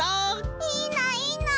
いいないいな！